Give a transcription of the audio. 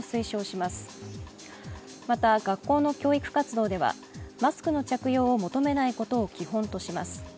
また学校の教育活動ではマスクの着用を求めないことを基本とします。